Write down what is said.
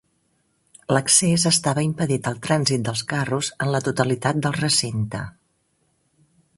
L'accés estava impedit al trànsit dels carros en la totalitat del recinte.